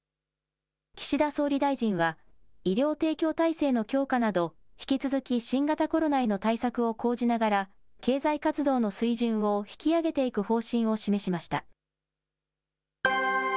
岸田総理大臣は、医療提供体制の強化など、引き続き新型コロナへの対策を講じながら、経済活動の水準を引き上げていく方針を示しました。